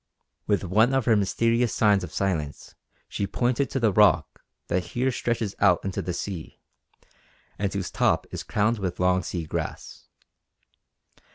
With one of her mysterious signs of silence she pointed to the rock that here stretches out into the sea, and whose top is crowned with long sea grass.